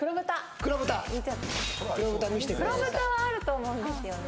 黒豚はあると思うんですよね